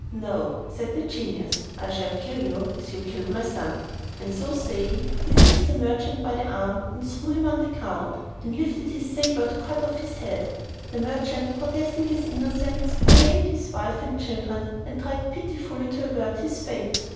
"No," said the genius, "I shall kill you as you killed my son," and so saying, he seized the merchant by the arm, threw him on the ground, and lifted his sabre to cut off his head. The merchant, protesting his innocence, bewailed his wife and children, and tried pitifully to avert his fate.